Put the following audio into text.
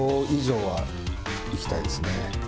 ５以上はいきたいですね。